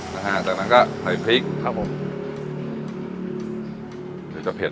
จากนั้นก็ถ่ายพริกครับครับผม